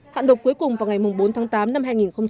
hạn độc cuối cùng vào ngày bốn tháng tám năm hai nghìn một mươi chín